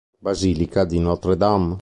Basilica di Notre-Dame